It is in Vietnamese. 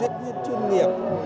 rất là chuyên nghiệp